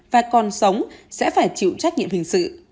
và còn sống sẽ phải chịu trách nhiệm hình sự